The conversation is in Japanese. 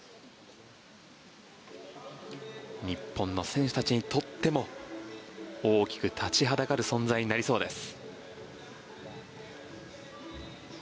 日本の選手たちにとっても大きく立ちはだかる存在になりそうです。